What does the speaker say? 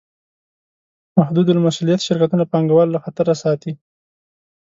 محدودالمسوولیت شرکتونه پانګهوال له خطره ساتي.